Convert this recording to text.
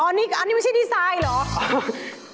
อ๋ออันนี้มันใช่ดีไซน์หรือ